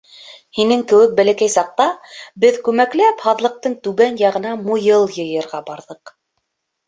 Һинең кеүек бәләкәй саҡта беҙ күмәкләп һаҙлыҡтың түбән яғына муйыл йыйырға барҙыҡ.